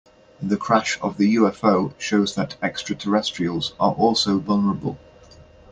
The crash of the UFO shows that extraterrestrials are also vulnerable.